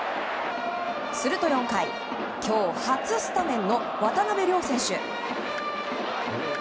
すると４回、今日初スタメンの渡邉諒選手。